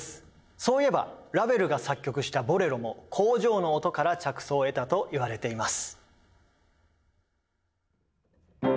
そういえばラヴェルが作曲したボレロも工場の音から着想を得たといわれています。